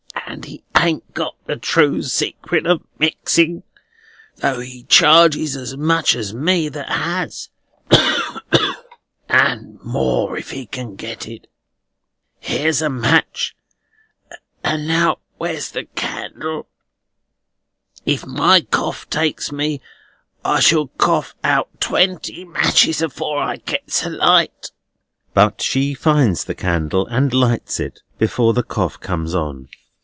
And he ain't got the true secret of mixing, though he charges as much as me that has, and more if he can get it. Here's a match, and now where's the candle? If my cough takes me, I shall cough out twenty matches afore I gets a light." But she finds the candle, and lights it, before the cough comes on.